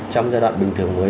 trong giai đoạn bình thường mới